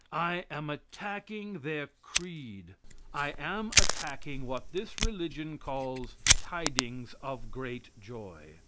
I am attacking their creed. I am attacking what this religion calls "Tidings of great joy."